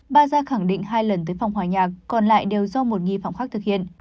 baza khẳng định hai lần tới phòng hòa nhạc còn lại đều do một nghi phạm khác thực hiện